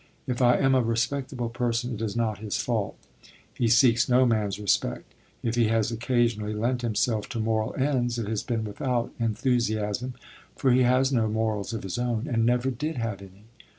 If I am a respectable person it is not his fault. He seeks no man's respect. If he has occasionally lent himself to moral ends, it has been without enthusiasm, for he has no morals of his own, and never did have any.